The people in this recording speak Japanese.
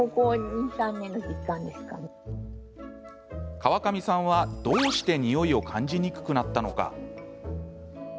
川上さんは、どうして匂いを感じにくくなったのか。